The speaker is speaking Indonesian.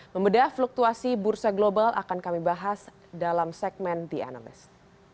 membedah fluktuasi bursa global akan kami bahas dalam segmen the analyst